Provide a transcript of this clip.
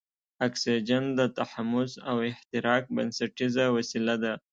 اکسیجن د تحمض او احتراق بنسټیزه وسیله ده.